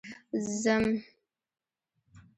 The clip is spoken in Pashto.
ځم